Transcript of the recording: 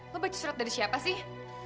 lo baca surat dari siapa sih